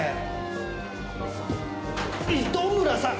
糸村さん